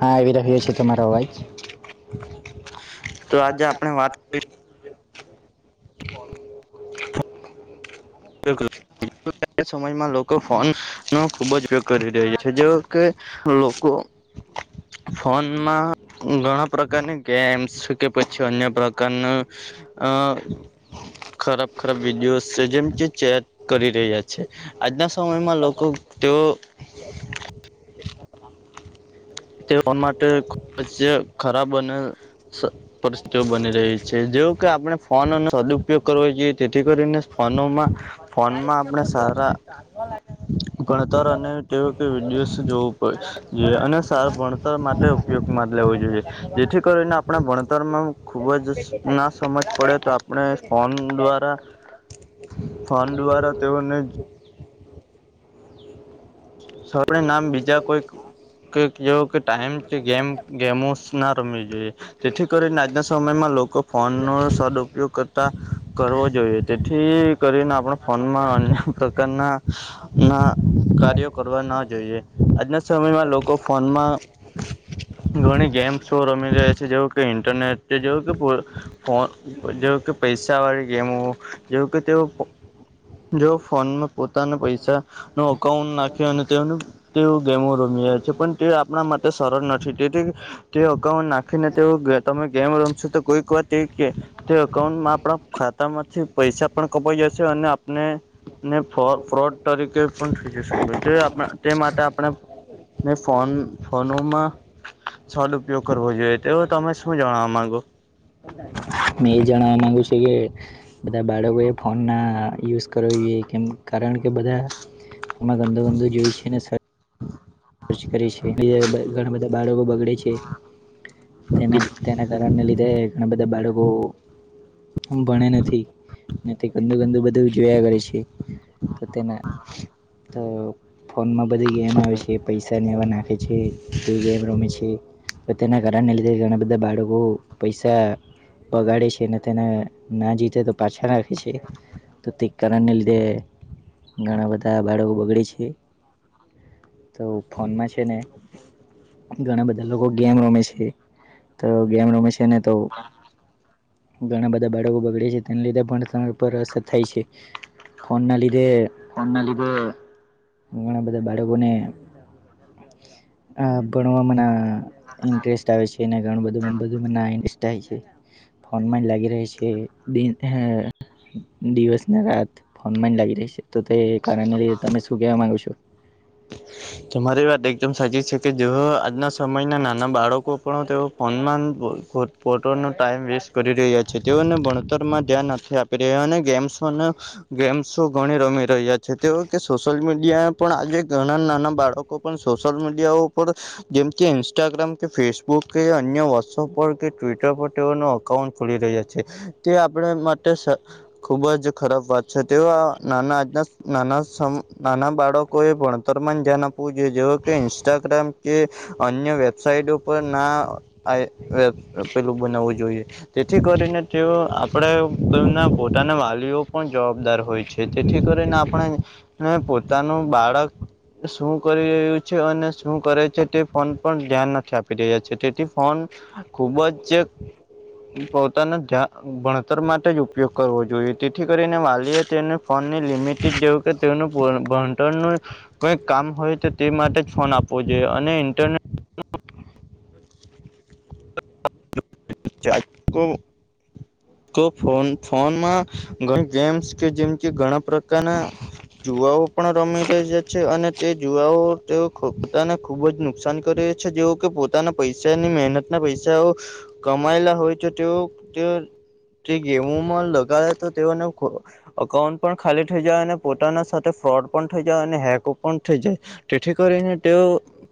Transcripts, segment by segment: હા આવી રહ્યો છે, તમારો અવાજ તો આજે આપણે વાત કરીશું [unintelligible] સમયમાં લોકો ફોનનો ખૂબ જ ઉપયોગ કરી રહ્યા છે, જો કે લોકો ફોનમાં ઘણા પ્રકારની ગેમ્સ છે, કે પછ અન્ય પ્રકારનું અ ખરાબ ખરાબ વિડીયોસ છે, જેમ જે ચેટ કરી રહ્યા છે, આજના સમયમાં લોકો તો તેઓ ફોન માટે ખૂબ જ ખરાબ અને પરિસ્થિતિઓ બની રહી છે, જેવ કે આપણે ફોનોનો સદુપયોગ કરવો જોઈએ તેથી કરીને ફોનોમાં ફોનમાં આપણે સારા ગણતર અને તેવુ કેવુ વિડીયોસ જોવું જે અને સાર ભણતર માટે ઉપયોગમાં લેવો જોઈએ જેથી કરીને આપણે ભણતરમાં ખુબ જ ના સમજ પડે તો આપણે ફોન દ્વારા ફોન દ્વારા તેઓને [unintelligible] નામ બીજા કોઈક કે જો કે ટાઈમ છે, ગેમ ગેમુસ ના રમવી જોયે તેથી કરીને આજના સમયમાં લોકો ફોનનો સદપયોગ કરતા કરવો જોઈએ તેથી કરીને આપણે ફોનમાં અન્ય પ્રકારના ના કાર્યો કરવા ન જોઈએ આજના સમયમાં લોકો ફોનમાં ઘણી ગેમ્સો રમી રહ્યા છે, જેવુ કે ઇન્ટરનેટ જેવુ કે પો ફો જેવ કે પૈસા વાળી ગેમો જેવ કે તેઓ જો ફોનમાં પોતાન પૈસા ન કૌઉન નાખ્યો અને તેનું તેવુ ગેમો રમીએ છે, પણ તે આપણા માટે સરળ નથી તેથી કે અકાઉન નાખીને તેઓ ગે તમે ગેમ રમશો તો કોઈક વાર તે ગે તે અકાઉન્ટમાં આપણા ખાતા માંથી પૈસા પણ કપાઈ જશે અને આપને ને ફો ફ્રોડ તરીકે પણ થઈ જશે તે આપ તે માટે આપણે ને ફોન ફોનોમાં સડ ઉપયોગ કરવો જોઈએ તો તમે શું જાણવા માંગો [inaudible] મેં એ જણાવા માંગુ છું કે બધા બાળકોએ ફોનના યુઝ કરવો જોઈએ કેમ કારણ કે બધા એમાં ગંદો ગંદુ જોય છે ને સર ર્ચ કરે છે બ ઘણા બધા બાળકો બગડે છે તેના તેના કારણને લીધે ઘણા બધા બાળકો ભણે નથી તે ગંદુ ગંદુ બધું જોયા કરે છે તો તેના તો ફોનમાં બધી ગેમ આવે છે પૈસા લેવા નાખે છે તે ગેમ રમે છે પણ તેના ઘણા ને લીધે ઘણા બધા બાળકો પૈસા બગાડે છે ને તેને ના જીતે તો પાછા નાખે છે તો તે કરણને લીધે ઘણા બધા બાળકો બગડે છે તો ફોનમાં છે ને ઘણા બધા લોકો ગેમ રમે છે તો ગેમ રમે છે ને તો હા ઘણા બધા બાળકો બગડે છે તેના લીધે પણ તે પર અસર થાય છે ફોન ના લીધે ફોનના લીધે ઘણા બધા બાળકોને આ ભણવા માં ના ઇન્ટરેસ્ટ આવે છે એને ઘણું બધું ના ઇન્સ્ટાઈ છે ફોનમાં લાગી રહે છે દિન દિવસને રાત ફોનમાં જ લાગી રહી છે તો તે કારણે તમે શું કેહેવા માંગો છો [inaudible] તમારી વાત એકદમ સાચી છે કે જે આજના સમયના નાના બાળકો પણ તેઓ ફોનમાન ફોટ ફોટ પોટોનું ટાઈમ વેસ્ટ કરી રહ્યા છે તેઓને ભણતરમાં ધ્યાન નથી આપી રહ્યા અને ગેમ્સને ગેમસો ઘણી રમે રહ્યા છે તેય કે સોસલ મીડિયા પણ આજે ઘણા નાના બાળકો પણ સોસલ મીડિયા ઉપર જેમ કે ઇન્સ્ટાગ્રામ કે ફેસબુક કે અન્ય વોટ્સઅપ પર કે ટ્વિટર પર તેનો કન ખુલી રહ્યા છે તે આપણે માટે ખુબ જ ખરાબ વાત છે તે આ નાના આજના નાના સમ નાના બાળકો એ ભણતરમાં જ ધ્યાન આપવું જોઈએ જેવ કે ઇન્સ્ટાગ્રામ કે અન્ય વેબસાઇટ પર ના આ એ એ પેલું બનાવવું જોઈએ તેથી કરીને તેઓ આપણે તેમના પોતાના વાલીઓ પણ જવાબદાર હોય છે તેથી કરીને આપણે અ પોતાનું બાળક શું કરી રહ્યું છે અને શું કરે છે તે ફોન પર ધ્યાન નથી આપી રહ્યા છે તેથી ફોન ખૂબ જ પોતાના ધ્યાન ભણતર માટે જ ઉપયોગ કરવો જોઈએ તેથી કરીને વાલીએ તેને ફોન લિમિટેડ જેવું કે તેનું ભણ ભણતરનું ય કઈ કામ હોય તો તે માટે જ ફોન આપવો જોઈએ અને ઇન્ટરનેટ ચ આજ કુ તો ફ ફોનમાં ઘ ગેમ્સ કે જેમ કે ઘણા પ્રકારના જુવાઓ પણ રમી ર જ છે અને તે જુવાઓ તેઓ પોતાને ખુબ જ નુકસાન કરી જેઓ કે પોતાના પૈસાની મહેનત ના પૈસાઓ કમાયેલા હોય તો તેઓ તે ગેમોમાં લગાડે તો તેઓને અકાઉન્ટ પણ ખાલી થઈ જાય, અને પોતાના સાથે ફ્રોડ પણ થઈ જાય, અને હેકો પણ થઈ જાય તેથી કરીને તેઓ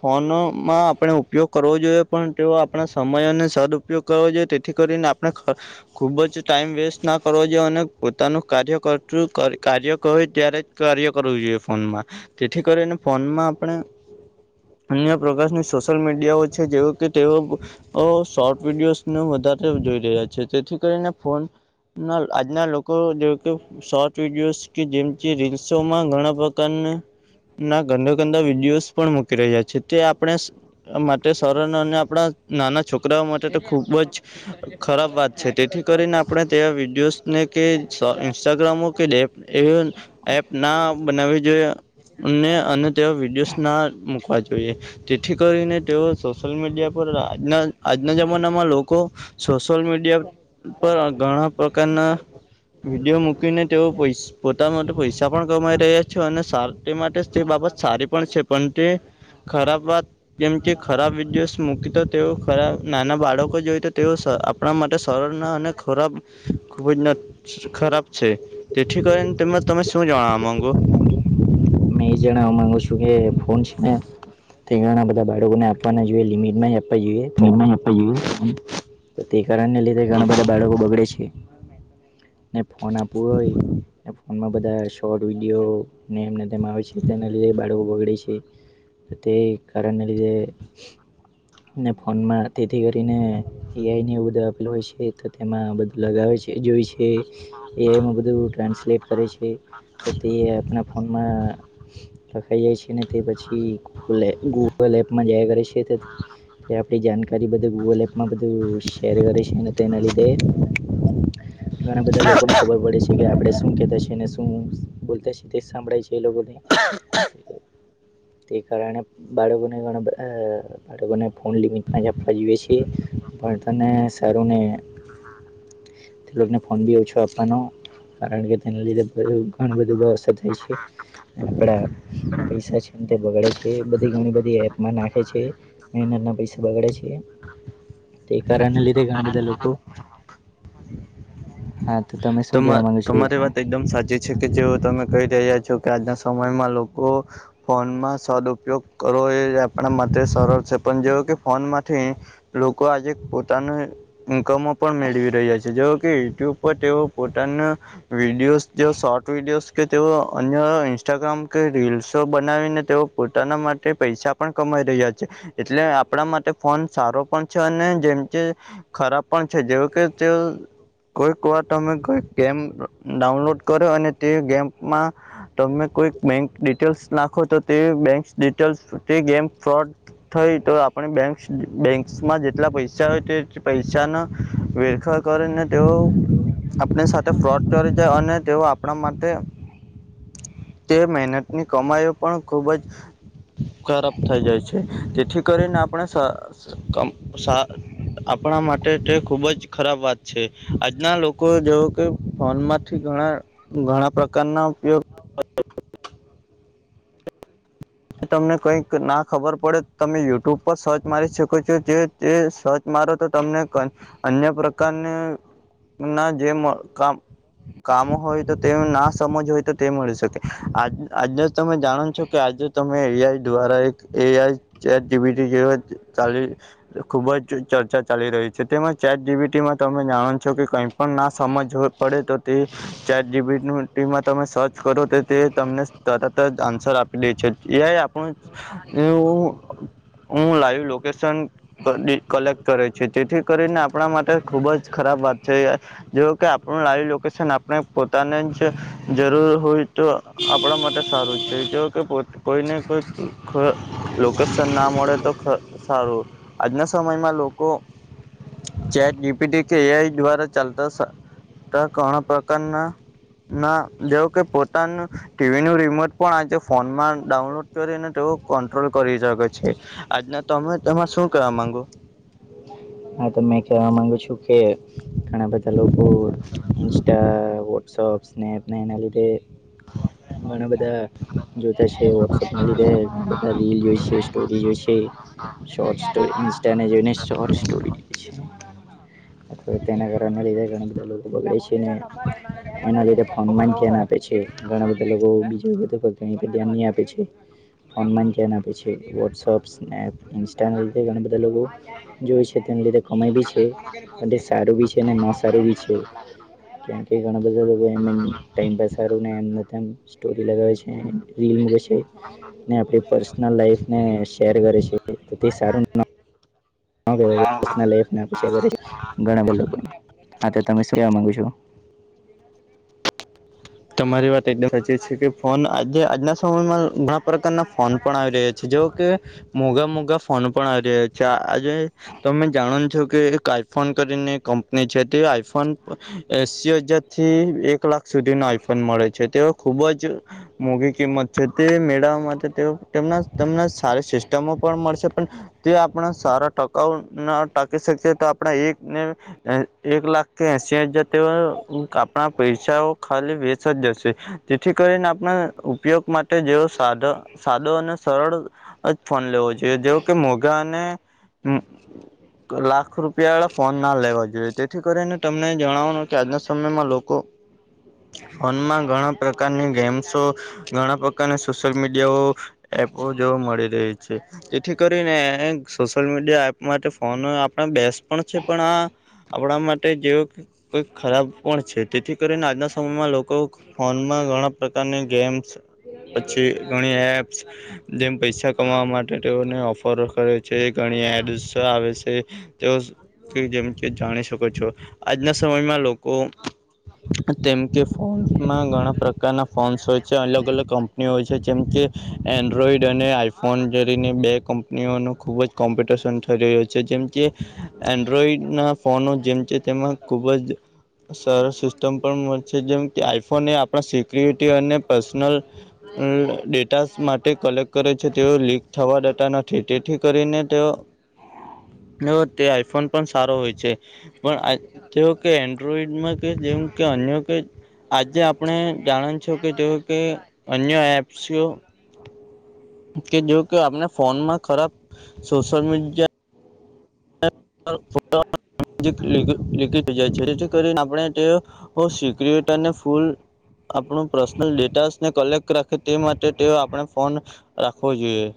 ફોનમાં આપણે ઉપયોગ કરવો જોઈએ, પણ તેઓ આપણા સમય અને સદ ઉપયોગ કરવો જોઈએ, તેથી કરીને આપણે ખુબ જ ટાઈમ વેસ્ટ ના કરવો જોઈએ, અને પોતાનું કાર્ય કરતું કાર્ય કર ત્યારે કાર્ય કરવું જોઈએ ફોનમાં તેથી કરીને ફોનમાં આપણે અન્ય પ્રકારની સોશિયલ મીડિયાઓ છે, જેવ કે તેઓ સોટ વિડીયોસ વધારે જોઈ રહ્યા છે, તેથી કરીને ફોન ના આજના લોકો જો કે શોર્ટ વિડીયોસ કે જેમકે રીલ્સોમાં ઘણા પ્રકારના ના ગંદા ગંદા વિડીયોઝ પણ મૂકી રહ્યા છે, તે આપણે માટે સરન અને આપણા નાના છોકરાઓ મા ખૂબ જ ખરાબ વાત છે, તેથી કરીને આપણે તે વિડીયોને કે [unintelligible] ઇન્સ્ટાગ્રામો કે લેપ એવી એપ ના બનાવી જોઈએ અને તેઓ વિડીયોઝ ના મૂકવા જોઈએ, તેથી કરીને તેઓ સોશિયલ મીડિયા પર આજના આજના જ [unintelligible] ના લોકો સોશયલ મીડિયા પર ઘણા પ્રકારના વિડીયો મૂકીને તેઓ પૈ પોતા માટે પૈસા પણ કમાઈ રહ્યા છે, અને સા માટે તે બાબત સારી પણ છે, પણ તે ખરાબ વાત જેમ કે ખરાબ વિડીયોસ મૂકી તો તેવો ખરાબ નાના બાળકો જોઈ તો તેઓ આપણા માટે સરળ ના અને ખોરાબ ખૂબ જ ન ખરાબ છે તેથી કરીને તને તમે શું જણાવા માંગો, હું એ જાણવા માંગુ છું કે ફોન છે ને, તે ઘણા બધા બાળકોને આપવાના જ હોઈ લિમિટમાં યા [unintelligible] તો તે કારણને લીધે ઘણા બધા બાળકો બગડે છે, ને ફોન આપવું હોય ને ફોનમાં બધા શોર્ટ વિડીયો એમને તેમ આવે છે તેના લીધે બાળકો બગડે છે, તે કારણને લીધે ને ફોનમાં તેથી કરીને, એ આઈ ને એ બધું આપેલું હોય છે, તો તેમાં બધું લગાવે છે જોય છે એ આઈ મા બધુ ટ્રાન્સલેટ કરે છે, તો તે આપના ફોનમાં લખાઈ જાય છે, ને તે પછી ગૂગલ એપમાં જયા કરે છે તેથી તે આપડી જાણકારી બધુ ગૂગલ એપમાં બધું શેર કરે છે, તો એના લીધે ઘણા બધા લોકોને ખબર પડે છે કે, આપડણે શું કેતા છે એને તું બોલતા છે, તે સાંભળાય છે, એ લોકોગોને તે કારણે બાળકોને ઘણાધા બાળકોને ફોન લિમિટમાં જ આપવા જોઈએ, છીએ પણ તેને સારું ને તે હા ફોન બી ઓછો આપવાનો કારણ કે તેને લીધે ઘણું બધું અસર થાય છે આપણે પૈસા છે તે બગડે છે બધી ઘણી બધી એપમાં નાખે છે, મહેનત ના પૈસા બગડે છે તે કરણને લીધે ઘણા બધા લોકો હા, તો તમે શું તમા કહેવા માગો છો એ તમારી કારણે વાત એકદમ સાચી છે, કે જેવો તમે કહી રહ્યા છો કે, આજના સમયમાં લોકો ફોનમાં સદઉપયોગ કરવો એ આપણા માટે સરળ છે, પણ જેવું કે ફોન માંથી લોકો આજે પોતાનું ઇન્કમો પણ મેળવી રહ્યા છે, જેવો કે યુટ્યુબ પર તેઓ પોતાના વિડીયોઝ જે શોર્ટ વિડીયોઝ કે તેઓ અન્ય ઇન્સ્ટાગ્રામ કે રીલ્સો બનાવીને, તેઓ પોતાના માટે પૈસા પણ કમાઈ રહ્યા છે, એટલે આપણા માટે ફોન સારો પણ છે અને જેમ કે ખરાબ પણ છે, જેવ કે તે કોઈક વાર અમે કેમ ડાઉનલોડ કર અને તે ગેમમાં તમે કોઈક બેંક ડિટેલ્સ નાખો તો તે બેંક ડિટેલ્સ તે ગેમ ફ્રોડ થઈ તો આપણે બે બેંક માં જેટલા પૈસા હોય તે પૈસાના વેરખર કરીને તેઓ આપણી સાથે ફ્રોડ કરી જાય અને તેઓ આપણા માટે તે મહેનતની કમાઈઓ પણ ખુબ જ ખરાબ થઈ જાય છે જેથી કરીને આપણે સ કમ સ આપણા માટે તે ખુબ જ ખરાબ વાત છે આજના લોક જોવ કે ફોન માંથી ઘણા ઘણા પ્રકારના ઉપયોગ તમને કઈક ના ખબર પડે તમે યુટ્યુબ પર સર્ચ મારી શકો છો જે તે સર્ચ મારો તો તમને અન્ય પ્રકારને ન જેમ કામ કામ હોય તો તે ના સમજ હોય તો તે મળી શકે આજે તમે જાણો છો કે આજે તમે એ આઈ દ્વારા એક AI chat G P T જે ચલી ખૂબ જ ચર્ચા ચાલી રહી છે તેમાં ચેટ જીપીટીમાં તમે જાણો છો કે કય પણ ના સમજ પડે તો તે ચેટ જીપીટી તમે સર્ચ કરો તો તે તમને તરત જ આન્સર આપી દે છે. એ આ ઈ આપણનું હું લાઇવ લોકેશન કલેક્ટ કરે છે તેથી કરીને આપણા માટે ખુબ જ ખરાબ વાત છે. જો કે આપણું લાઈવ લોકેશન આપણે પોતાને જ જરૂર હોય તો આપણા માટે સારું છે જો કે પોતે કોઈને કોઈ ખ લોકેશન ના મળે તો ખ સારું આજના સમયમાં લોકો ચેટ જી પી ટી કે એઆઈ દ્વારા ચાલતા ઘણા પ્રકારના ના જેવ કે પોતાનું ટીવીનું રિમોટ પણ આજે ફોનમાં ડાઉનલોડ કરીને તેઓ કંટ્રોલ કરી શકે છે આજના તમે તેમાં શું કવા માંગો હા તમે કેવા માંગુ છુ કે ઘણા બધા લોકો ઇન્સ્ટા શોપ સ્નેપ ને એના લીધે ઘણા બધા જોતા છે વોટ્સએપ ના લીધે રીલ જોઈ છે સ્ટોરી જોઈ છે શોર્ટ સ્ટોરી ઇન્સ્ટા ને જોઈને શોર્ટ સ્ટોરી જોઈ છે અવા તેના કારણ ના લીધે ઘણા બધા લોકોબગડે છેને એના લીધે ફોનમાં જ ધ્યાન આપે છે ઘણા બધા લોકો બીજ ધ્યાન નહી આપે છે. ફોન માં જ ધ્યાન આપે છે વોટ્સએપ સ્નેપ ઇન્સ્ટાના લીધે ઘણા બધા લોકો જો છે. તેના લીધે કમાય બી છે સારું બી છે અને ન સારું બી છે. કેમ કે ઘણા બધા લોકો એમ ટાઈમ પાસ હારુ એમ ને તેમ સ્ટોરી લગાવે છે રીલ મૂકે છે. ને આપણી પર્સનલ લાઈફ ને શેર કરે છે તો તે સારું ન હ કેવાય તમે શું કેવા માંગુ છો? તમારી વાત એકદમ સાચી છે કે ફોન આજે આજના સમયમાં ધના પ્રકારના ફોન પણ આવી રહ્યા છે જે કે મોઘા મોઘા ફોન પણ આવી રહ્યા છે આજે તમે જાણો છો કે એક આઈફોન કરીને કંપની છે તે આઈફોન એશી હજાર છે એક લાખ સુધીનો આઈફોન મળે છે તેઓ ખૂબ જ મોઘી કિંમત છે તે મેળવવા માટે તેમના તેમને સારી સિસ્ટમો પણ મળશે પણ મળશે તે આપણા સારા ટકાઉ ના ટાકી શકે તો આપણા એક ને એક લાખ કે એશી હજાર તેઓ આપણા પૈસાઓ ખાલી વેસ સજજ છે જેથી કરીને આપણા ઉપયોગ માટે જેવો સાધ સાદો અને સરળ જ ફોન લેવો જોઈએ જેવો કે મોઘા અને લાખ રૂપિયા વાળા ફોન ના લેવા જોઈએ તેથી કરીને તમને જણાવવાનું કે આજના સમયમાં લોકો ફોનમાં ઘણા પ્રકારની ગેમ્સો ઘણા પ્રકારના સોશિયલ મીડિયાઓ એપો જોવા મળી રહી છે. જેથી કરીને સોશિયલ મીડિયા એપ માટે ફોન આપણે બેસ પણ છે. પણ આ આપણા માટે જેવું કોઈ ખરાબ પણ છે. તેથી કરીને આજના સમયમાં લોકો તો ફોનમાં ઘણા પ્રકારની ગેમ્સ, પછી ઘણી એપ્સ- જેમ પૈસા કમાવા માટે તેઓને ઓફર કરે છે. ઘણી એડસ આવે સે. તે જેમ કે જાણી શકો છો. આજના સમયમાં લોકો તેમ કે [unintelligible] ફોન્સમાં ઘણા પ્રકારના ફોન્સ હોય છે. અલગ અલગ કંપનીઓ હોય છે. જેમ કે એન્ડ્રોઈડ અને આઈ ફોન જોડીને બે કંપનીઓનું ખૂબ જ કોમ્પિટિશન થઈ રહ્યું છે. જેમ કે એન્ડ્રોઈડના ફોનો જેમ છે. તેમાં ખુબ જ સરસ સિસ્ટમ પણ મળશે છે. જેમ કે આઈફોન આપણા સિક્યુરિટી અને પર્સનલ ડેટા માટે કલેક્ટ કરે છે. તેઓ લીક થવા ડેટા નથી તેથી કરીને તેઓ એ તે આઈફોન પણ સારો હોય છે. પણ તેઓ કે એન્ડ્રોઈડમાં કે જેમ કે અન્ય કોઈ આજે આપણે જાણ છું કે જોવું કે અન્ય એપ્સ કે જો આપણે [unintelligible] જે લિકીટ થઈ જાય છે. જેથી કરીને આપણે તે સીકરેટ અને ફૂલ આપણું પર્સનલ ડેટાને કલેક્ટ રાખે તે માટે આપણે ફોન રાખવો જોઈએ.